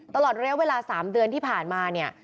ตลอดระยะเวลา๓เดือนที่ผ่านมาเนี่ย